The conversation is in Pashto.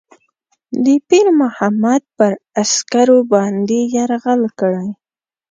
د پیرمحمد پر عسکرو باندي یرغل کړی.